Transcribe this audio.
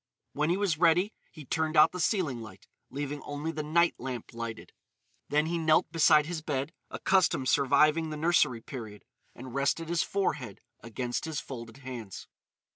When he was ready he turned out the ceiling light, leaving only the night lamp lighted. Then he knelt beside his bed,—a custom surviving the nursery period,—and rested his forehead against his folded hands.